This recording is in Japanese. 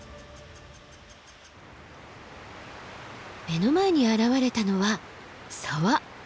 目の前に現れたのは沢。